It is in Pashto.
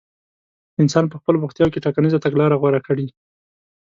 انسان په خپلو بوختياوو کې ټاکنيزه تګلاره غوره کړي.